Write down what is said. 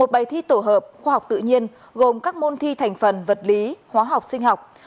một bài thi tổ hợp khoa học tự nhiên gồm các môn thi thành phần vật lý hóa học sinh học